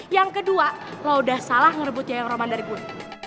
yang kedua lo udah salah ngerebutnya yang roman dari bun